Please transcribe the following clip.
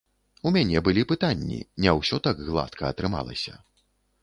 У мяне былі пытанні, не ўсё так гладка атрымалася.